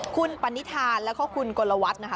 คุณปณิธานแล้วก็คุณกลวัฒน์นะคะ